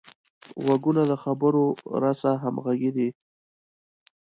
غوږونه د خبرو رسه همغږي دي